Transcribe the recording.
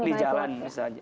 di jalan misalnya